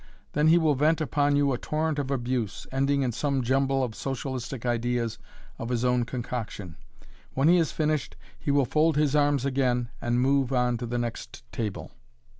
Then he will vent upon you a torrent of abuse, ending in some jumble of socialistic ideas of his own concoction. When he has finished, he will fold his arms again and move on to the next table.